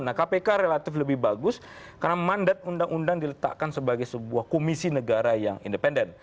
nah kpk relatif lebih bagus karena mandat undang undang diletakkan sebagai sebuah komisi negara yang independen